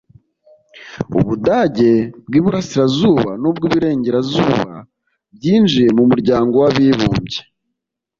ubudage bw’iburasirazuba n’ubw’iburengerazuba byinjiye mu muryango w’abibumbye